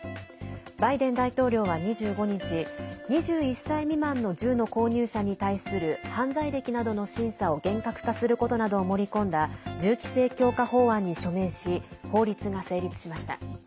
バイデン大統領は２５日２１歳未満の銃の購入者に対する犯罪歴などの審査を厳格化することなどを盛り込んだ銃規制強化法案に署名し法律が成立しました。